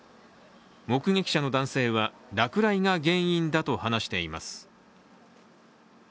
目撃者の男性は落雷が原因だと話しています。